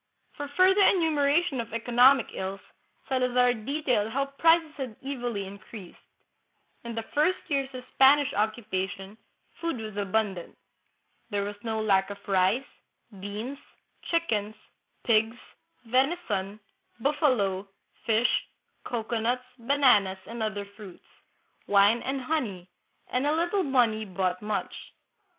For further enumera tion of economic ills, Salazar details how prices had evilly increased. In the first years of Spanish occupation, food was abundant. There was no lack of rice, beans, chickens, pigs, venison, buffalo, fish, cocoanuts, bananas, and other fruits, wine and honey; and a little money bought much.